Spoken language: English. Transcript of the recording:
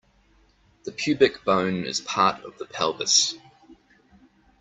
The pubic bone is part of the pelvis.